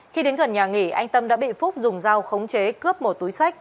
khi đến gần nhà nghỉ anh tâm đã bị phúc dùng dao khống chế cướp một túi sách